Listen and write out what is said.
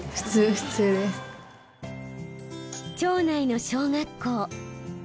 町内の小学校。